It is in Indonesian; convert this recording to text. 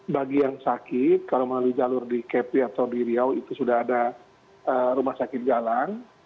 bagi yang sakit kalau melalui jalur di kepri atau di riau itu sudah ada rumah sakit jalan